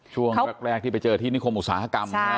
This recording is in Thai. ช่วงแรกที่ไปเจอที่นิคมอุตสาหกรรม